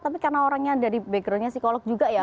karena orangnya dari backgroundnya psikolog juga ya